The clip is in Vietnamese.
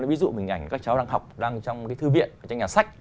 ví dụ hình ảnh các cháu đang học đang trong thư viện trong nhà sách